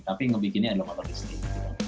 tapi ngebikinnya adalah motor listrik